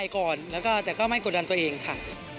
ก่อนแล้วก็แต่ก็ไม่กดดันตัวเองค่ะ